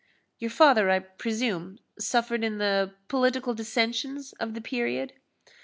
"Your father, I presume, suffered in the political dissensions of the period?"